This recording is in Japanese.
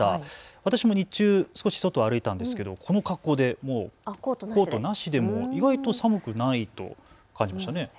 私も日中、少し外を歩いたんですけどこの格好でコートもなしで意外と寒くないと感じましたね。